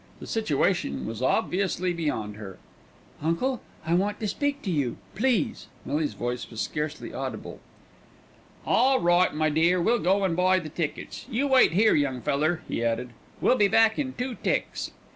The situation was obviously beyond her. "Uncle, I want to speak to you, please." Millie's voice was scarcely audible. "All right, my dear, we'll go and buy the tickets. You wait here, young feller," he added. "We'll be back in two ticks."